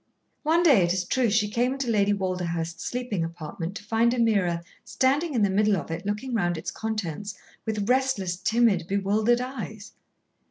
One day, it is true, she came into Lady Walderhurst's sleeping apartment to find Ameerah standing in the middle of it looking round its contents with restless, timid, bewildered eyes.